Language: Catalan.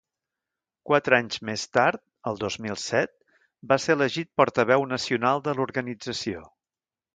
Quatre anys més tard, el dos mil set, va ser elegit portaveu nacional de l’organització.